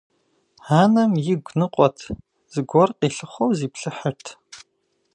Анэм игу ныкъуэт, зыгуэр къилъыхъуэу зиплъыхьырт.